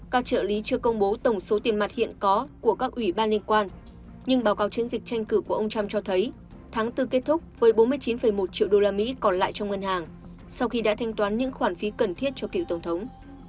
các trợ lý chưa công bố tổng số tiền mặt hiện có của các ủy ban liên quan nhưng báo cáo chiến dịch tranh cử của ông trump cho thấy tháng bốn kết thúc với bốn mươi chín một triệu đô la mỹ còn lại trong ngân hàng sau khi đã thanh toán những khoản phí cần thiết cho cựu tổng thống